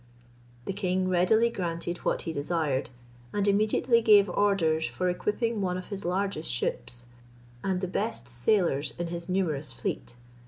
The king readily granted what he desired, and immediately gave orders for equipping one of his largest ships, and the best sailors in his numerous fleet.